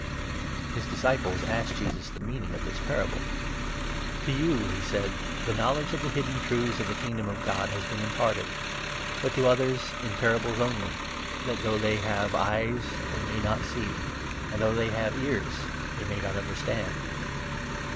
His disciples asked Jesus the meaning of this parable. 9 "To you, "he said, "the knowledge of the hidden truths of the 10 Kingdom of God has been imparted, but to others in parables only, that ' though they have eyes they may not see, and though they have ears, they may not understand.'